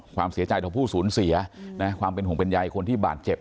ความเสียใจต่อผู้สูญเสียนะความเป็นห่วงเป็นใยคนที่บาดเจ็บ